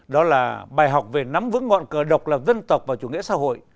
đó là bài học về nắm vững ngọn cờ độc lập dân tộc và chủ nghĩa xã hội